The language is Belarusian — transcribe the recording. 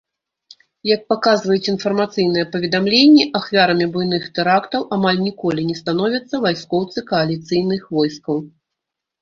Як паказваюць інфармацыйныя паведамленні, ахвярамі буйных тэрактаў амаль ніколі не становяцца вайскоўцы кааліцыйных войскаў.